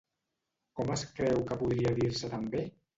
Com es creu que podria dir-se també?